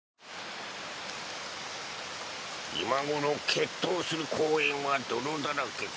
今頃決闘する公園は泥だらけか。